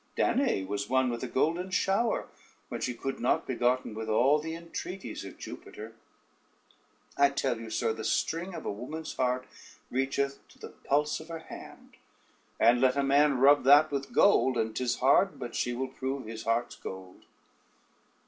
Danaë was won with a golden shower, when she could not be gotten with all the entreaties of Jupiter: I tell you, sir, the string of a woman's heart reacheth to the pulse of her hand; and let a man rub that with gold, and 't is hard but she will prove his heart's gold.